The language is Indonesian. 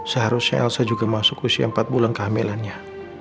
seharusnya elsa juga masuk usia empat bulan kehamilannya